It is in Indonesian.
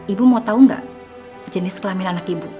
ibu mau tahu nggak jenis kelamin anak ibu